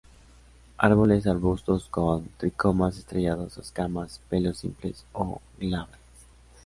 Árboles arbustos, con tricomas estrellados o escamas, pelos simples, o glabras.